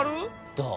どう？